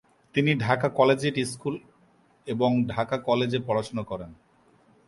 তিনি Dhaka collegiate school এবং Dhaka college এ পড়াশোনা করেন।